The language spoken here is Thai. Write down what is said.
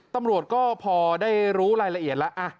ตำรวจก็พอได้รู้รายละเอียดแล้ว